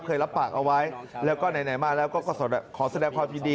รับปากเอาไว้แล้วก็ไหนมาแล้วก็ขอแสดงความยินดี